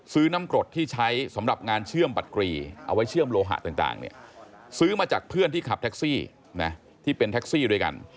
น้ำกรดที่ใช้สำหรับงานเชื่อมบัตรกรีเอาไว้เชื่อมโลหะต่างเนี่ยซื้อมาจากเพื่อนที่ขับแท็กซี่นะที่เป็นแท็กซี่ด้วยกัน